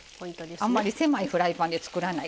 あまり狭いフライパンで作らない。